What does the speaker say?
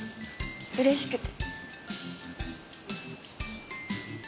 うれしくて。